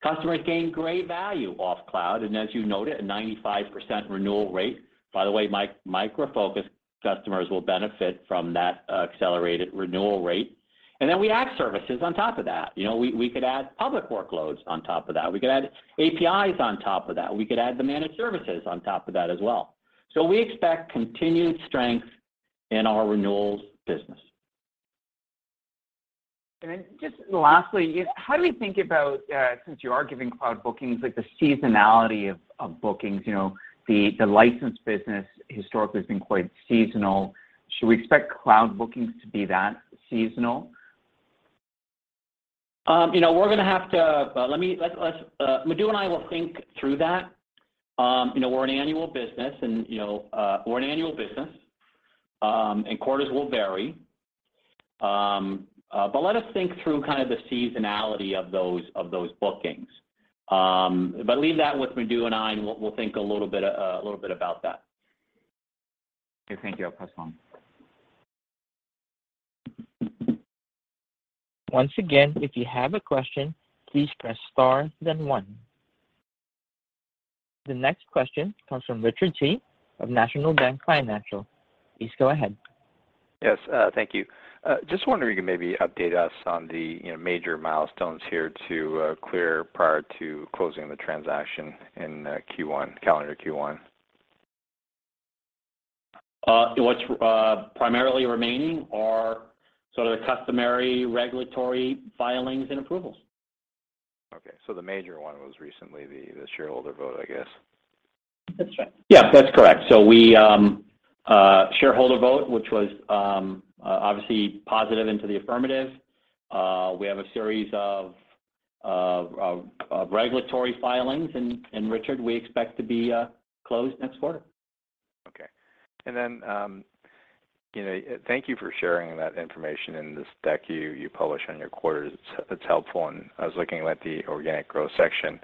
C: Customers gain great value off cloud, and as you noted, a 95% renewal rate. By the way, Micro Focus customers will benefit from that accelerated renewal rate. Then we add services on top of that. You know, we could add public workloads on top of that. We could add APIs on top of that. We could add the managed services on top of that as well. We expect continued strength in our renewals business.
G: Just lastly, how do we think about, since you are giving cloud bookings, like the seasonality of bookings? You know, the license business historically has been quite seasonal. Should we expect cloud bookings to be that seasonal?
C: Madhu and I will think through that. You know, we're an annual business and, you know, we're an annual business, and quarters will vary. Let us think through kind of the seasonality of those bookings. Leave that with Madhu and I, and we'll think a little bit about that.
G: Okay. Thank you. I'll pass on.
A: Once again, if you have a question, please press star then one. The next question comes from Richard Tse of National Bank Financial. Please go ahead.
H: Yes. Thank you. Just wondering if you could maybe update us on the, you know, major milestones here to clear prior to closing the transaction in Q1, calendar Q1.
C: What's primarily remaining are sort of the customary regulatory filings and approvals.
H: Okay. The major one was recently the shareholder vote, I guess.
G: That's right.
C: Yeah. That's correct. Shareholder vote, which was obviously positive in the affirmative. We have a series of regulatory filings, and Richard, we expect to be closed next quarter.
H: You know, thank you for sharing that information in this deck you publish on your quarters. It's helpful, and I was looking at the organic growth section.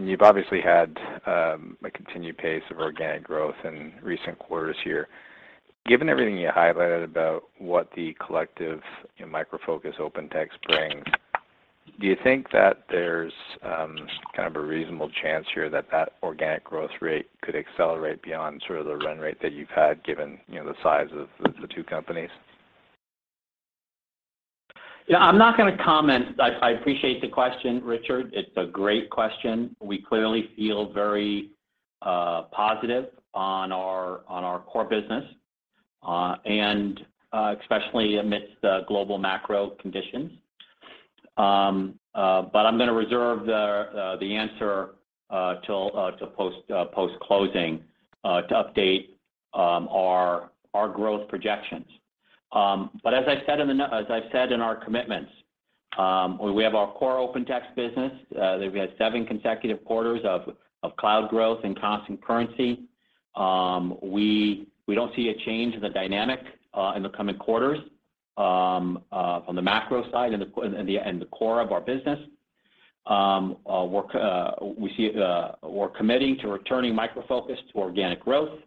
H: You've obviously had a continued pace of organic growth in recent quarters here. Given everything you highlighted about what the collective Micro Focus, OpenText brings, do you think that there's kind of a reasonable chance here that organic growth rate could accelerate beyond sort of the run rate that you've had given, you know, the size of the two companies?
C: Yeah. I'm not gonna comment. I appreciate the question, Richard. It's a great question. We clearly feel very positive on our core business and especially amidst the global macro conditions. I'm gonna reserve the answer until post-closing to update our growth projections. As I've said in our commitments, we have our core OpenText business that we had seven consecutive quarters of cloud growth and constant currency. We don't see a change in the dynamic in the coming quarters from the macro side and the core of our business. We're committing to returning Micro Focus to organic growth.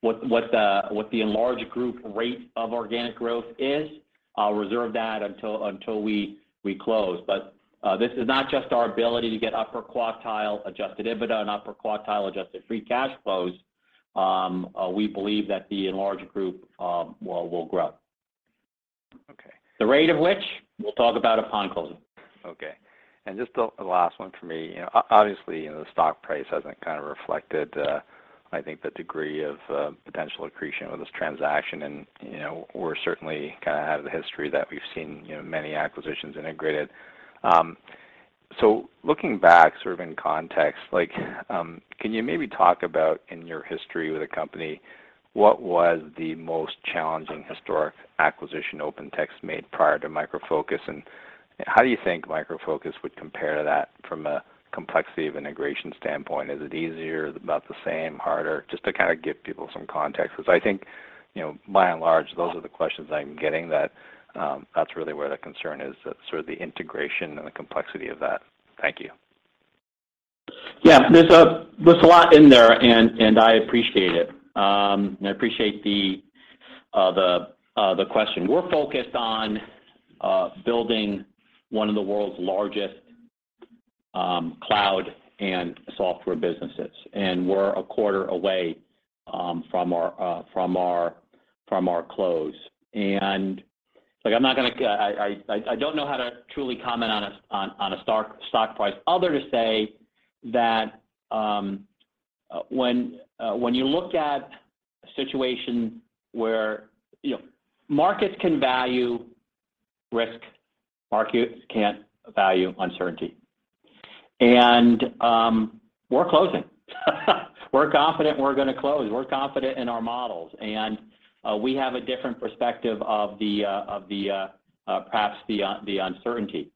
C: What the enlarged group rate of organic growth is, I'll reserve that until we close. This is not just our ability to get upper quartile adjusted EBITDA and upper quartile adjusted free cash flows. We believe that the enlarged group will grow.
H: Okay.
C: The rate of which we'll talk about upon closing.
H: Okay. Just a last one for me. You know, obviously, you know, the stock price hasn't kind of reflected, I think the degree of potential accretion with this transaction. You know, we're certainly kind of out of the history that we've seen, you know, many acquisitions integrated. Looking back sort of in context, like, can you maybe talk about in your history with the company, what was the most challenging historic acquisition OpenText made prior to Micro Focus, and how do you think Micro Focus would compare to that from a complexity of integration standpoint? Is it easier, about the same, harder? Just to kind of give people some context because I think, you know, by and large, those are the questions I'm getting that's really where the concern is, sort of the integration and the complexity of that. Thank you.
C: Yeah. There's a lot in there, and I appreciate it. I appreciate the question. We're focused on building one of the world's largest cloud and software businesses, and we're a quarter away from our close. Look, I'm not gonna. I don't know how to truly comment on a stock price other than to say that, when you look at a situation where, you know, markets can value risk. Markets can't value uncertainty. We're closing. We're confident we're gonna close. We're confident in our models, and we have a different perspective of the perhaps the uncertainty.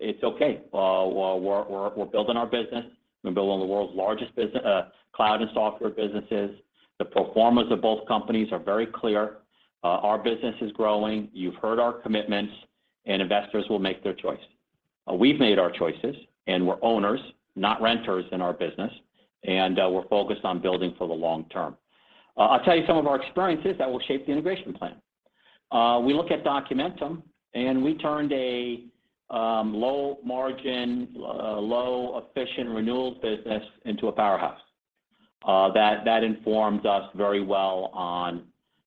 C: It's okay. We're building our business. We're building the world's largest cloud and software businesses. The performance of both companies are very clear. Our business is growing. You've heard our commitments, and investors will make their choice. We've made our choices, and we're owners, not renters in our business, and we're focused on building for the long term. I'll tell you some of our experiences that will shape the integration plan. We look at Documentum, and we turned a low margin low efficient renewals business into a powerhouse. That informs us very well on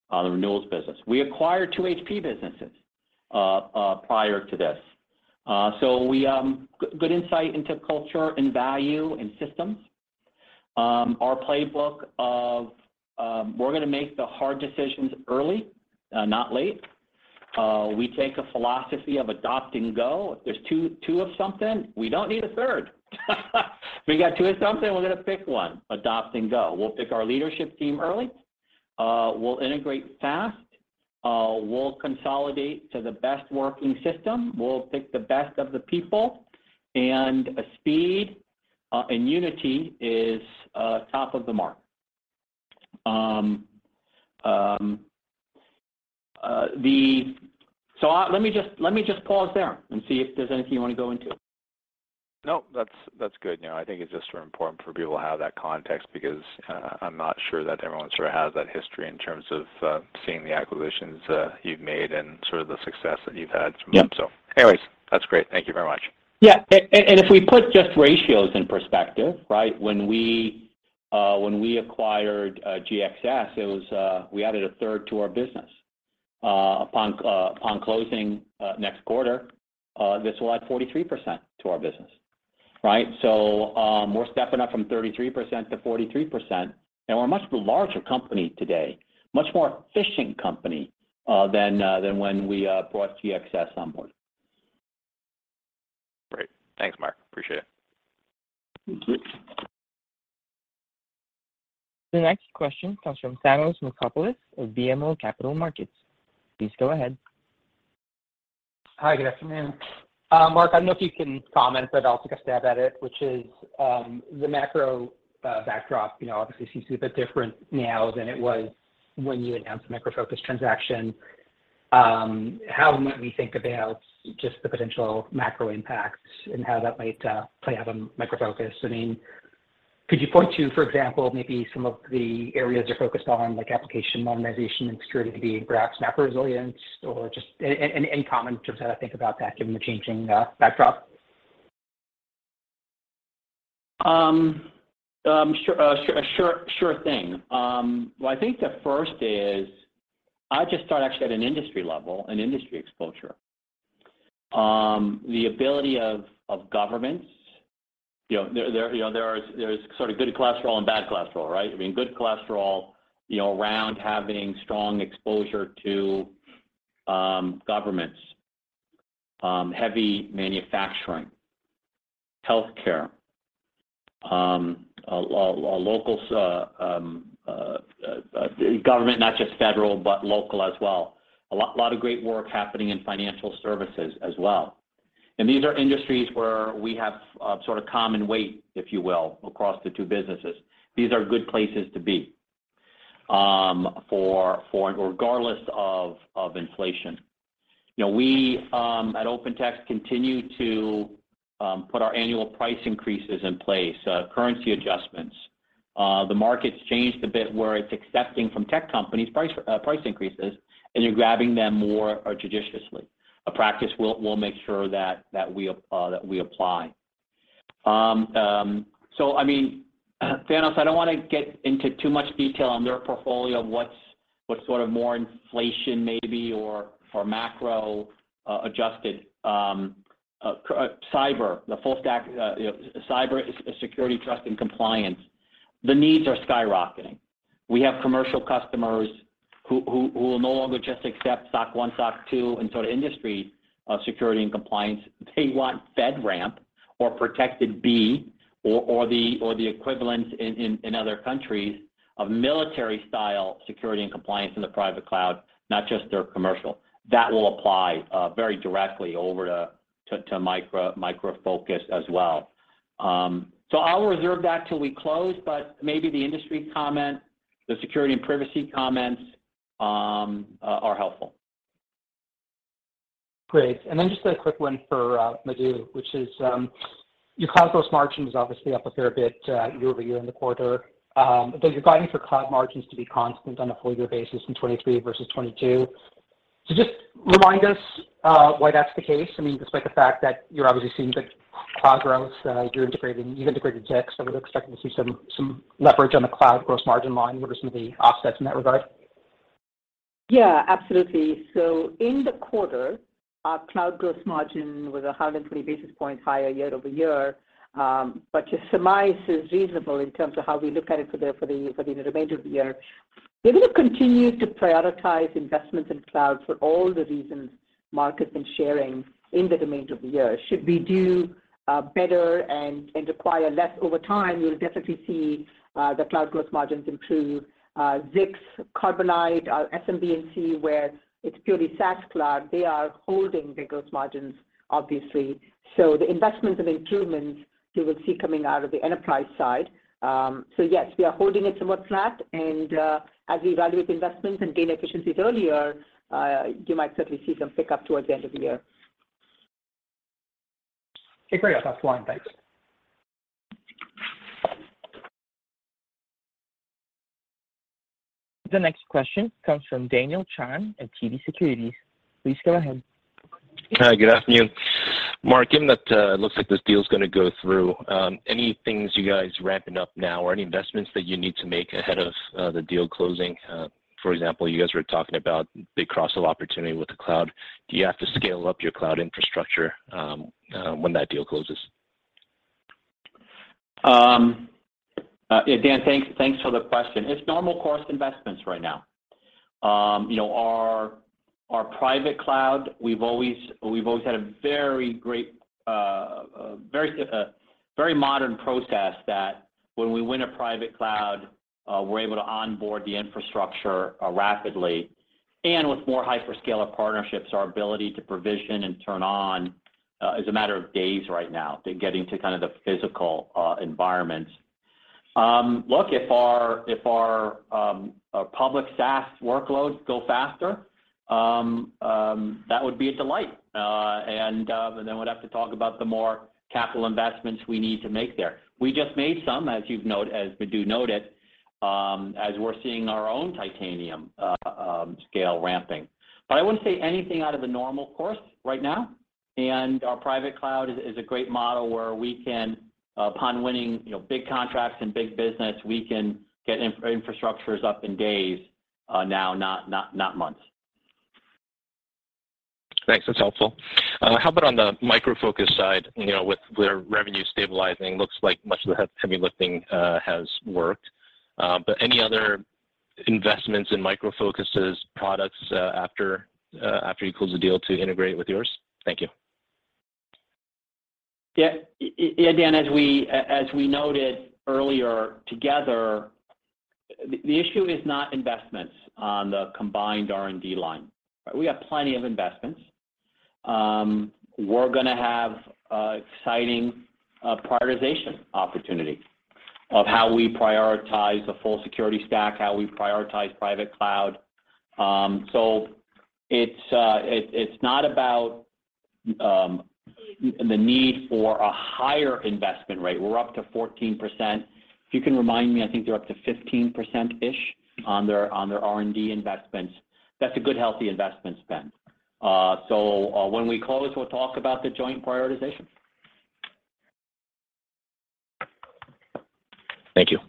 C: the renewals business. We acquired two HP businesses prior to this. Good insight into culture and value and systems. Our playbook, we're gonna make the hard decisions early, not late. We take a philosophy of adopt and go. If there's two of something, we don't need a third. If we got two of something, we're gonna pick one. Adopt and go. We'll pick our leadership team early. We'll integrate fast. We'll consolidate to the best working system. We'll pick the best of the people. Speed and unity is top of the mark. Let me just pause there and see if there's anything you wanna go into.
H: No, that's good. You know, I think it's just sort of important for people to have that context because I'm not sure that everyone sort of has that history in terms of seeing the acquisitions you've made and sort of the success that you've had from it.
C: Yep.
H: That's great. Thank you very much.
C: Yeah. If we put just ratios in perspective, right? When we acquired GXS, it was we added a third to our business. Upon closing next quarter, this will add 43% to our business, right? We're stepping up from 33% to 43%, and we're a much larger company today, much more efficient company, than when we brought GXS on board.
H: Great. Thanks, Mark. Appreciate it.
C: Thank you.
A: The next question comes from Thanos Moschopoulos of BMO Capital Markets. Please go ahead.
I: Hi, good afternoon. Mark, I don't know if you can comment, but I'll take a stab at it, which is, the macro backdrop, you know, obviously seems a bit different now than it was when you announced the Micro Focus transaction. How might we think about just the potential macro impacts and how that might play out on Micro Focus? I mean, could you point to, for example, maybe some of the areas you're focused on, like Application Modernization and security being perhaps macro resilient, or just any comments in terms of how to think about that given the changing backdrop?
C: Sure, sure thing. Well, I think the first is I just start actually at an industry level, an industry exposure. The ability of governments, you know, there is sort of good cholesterol and bad cholesterol, right? I mean, good cholesterol, you know, around having strong exposure to governments, heavy manufacturing, healthcare, local government, not just federal, but local as well. A lot of great work happening in financial services as well. These are industries where we have sort of common weight, if you will, across the two businesses. These are good places to be for regardless of inflation. You know, we at OpenText continue to put our annual price increases in place, currency adjustments. The market's changed a bit where it's accepting from tech companies price increases, and you're grabbing them more judiciously. A practice we'll make sure that we apply. So I mean, Thanos, I don't wanna get into too much detail on their portfolio, what's sort of more inflation maybe or macro adjusted. Cyber, the full stack, you know, cyber security trust and compliance, the needs are skyrocketing. We have commercial customers who will no longer just accept SOC 1, SOC 2, and sort of industry security and compliance. They want FedRAMP or Protected B or the equivalent in other countries of military style security and compliance in the private cloud, not just their commercial. That will apply very directly over to Micro Focus as well. I'll reserve that till we close, but maybe the industry comment, the security and privacy comments are helpful.
I: Great. Just a quick one for Madhu, which is your cloud gross margin is obviously up a fair bit year-over-year in the quarter. But you're guiding for cloud margins to be constant on a full year basis in 2023 versus 2022. Just remind us why that's the case. I mean, despite the fact that you're obviously seeing big cloud growth, you've integrated Zix, so we're expecting to see some leverage on the cloud gross margin line. What are some of the offsets in that regard?
D: Yeah, absolutely. In the quarter, our cloud gross margin was 120 basis points higher year-over-year. Your surmise is reasonable in terms of how we look at it for the remainder of the year. We will continue to prioritize investments in cloud for all the reasons Mark has been sharing during the year. Should we do better and require less over time, you'll definitely see the cloud gross margins improve. Zix, Carbonite, our SMB, where it's purely SaaS cloud, they are holding the gross margins, obviously. The investments and improvements you will see coming out of the enterprise side. Yes, we are holding it somewhat flat, and as we evaluate the investments and gain efficiencies earlier, you might certainly see some pickup towards the end of the year.
C: Okay, great. That's all. Thanks.
A: The next question comes from Daniel Chan at TD Securities. Please go ahead.
J: Hi. Good afternoon. Mark, given that looks like this deal is gonna go through, any things you guys wrapping up now or any investments that you need to make ahead of the deal closing? For example, you guys were talking about the cross-sell opportunity with the cloud. Do you have to scale up your cloud infrastructure when that deal closes?
C: Dan, thanks for the question. It's normal course investments right now. You know, our private cloud, we've always had a very modern process that when we win a private cloud, we're able to onboard the infrastructure rapidly. With more hyperscaler partnerships, our ability to provision and turn on is a matter of days right now rather than getting to kind of the physical environment. Look, if our public SaaS workloads go faster, that would be a delight, and then we'd have to talk about the more capital investments we need to make there. We just made some, as Madhu noted, as we're seeing our own Titanium scale ramping. I wouldn't say anything out of the normal course right now. Our private cloud is a great model where we can, upon winning, you know, big contracts and big business, we can get infrastructures up in days, now, not months.
J: Thanks. That's helpful. How about on the Micro Focus side, you know, with their revenue stabilizing, looks like much of the heavy lifting has worked. But any other investments in Micro Focus' products, after you close the deal to integrate with yours? Thank you.
C: Yeah. Dan, as we noted earlier together, the issue is not investments on the combined R&D line. We have plenty of investments. We're gonna have exciting prioritization opportunities of how we prioritize the full security stack, how we prioritize private cloud. It's not about the need for a higher investment rate. We're up to 14%. If you can remind me, I think they're up to 15%-ish on their R&D investments. That's a good, healthy investment spend. When we close, we'll talk about the joint prioritization.
J: Thank you.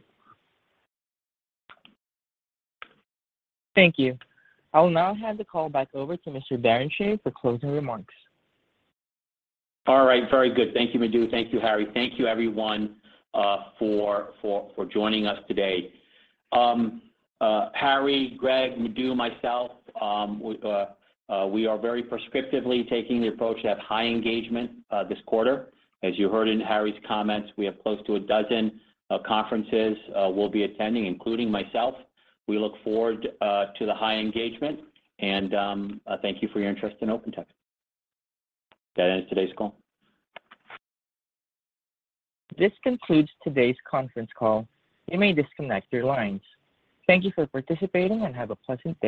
A: Thank you. I will now hand the call back over to Mr. Barrenechea for closing remarks.
C: All right. Very good. Thank you, Madhu. Thank you, Harry. Thank you, everyone, for joining us today. Harry, Greg, Madhu, myself, we are very prescriptively taking the approach to have high engagement this quarter. As you heard in Harry's comments, we have close to a dozen conferences we'll be attending, including myself. We look forward to the high engagement and thank you for your interest in OpenText. That ends today's call.
A: This concludes today's conference call. You may disconnect your lines. Thank you for participating and have a pleasant day.